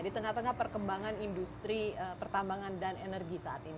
di tengah tengah perkembangan industri pertambangan dan energi saat ini